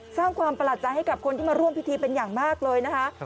สร้างความประหลาดใจให้กับคนที่มาร่วมพิธีเป็นอย่างมากเลยนะคะ